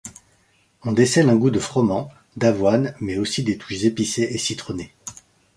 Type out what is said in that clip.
On décèle un goût de froment, d'avoine mais aussi des touches épicées et citronnées.